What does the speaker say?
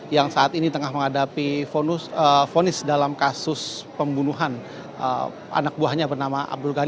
yang saat ini tengah menghadapi fonis dalam kasus pembunuhan anak buahnya bernama abdul ghani